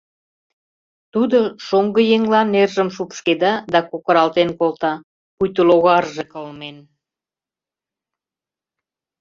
Тудо шоҥгыеҥла нержым шупшкеда да кокыралтен колта, пуйто логарже кылмен.